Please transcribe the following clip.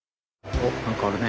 おっ何かあるね。